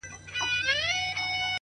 پسرلیه نن دي رنګ د خزان راوی-